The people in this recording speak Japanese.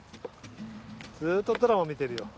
ーっとドラマ見てるよ。